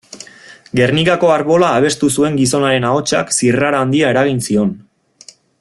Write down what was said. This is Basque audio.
Gernikako Arbola abestu zuen gizonaren ahotsak zirrara handia eragin zion.